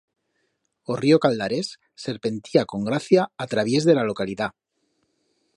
O río Caldarés, serpentía con gracia a traviés de ra localidat.